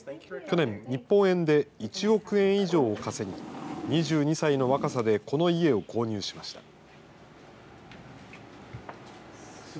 去年、日本円で１億円以上を稼ぎ、２２歳の若さでこの家を購入しました。